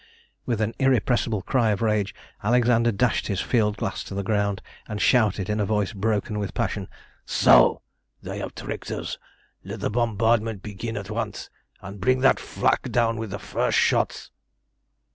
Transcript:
With an irrepressible cry of rage, Alexander dashed his field glass to the ground, and shouted, in a voice broken with passion "So! They have tricked us. Let the bombardment begin at once, and bring that flag down with the first shots!"